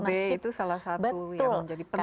kita kan waktu itu kb itu salah satu yang menjadi penting ya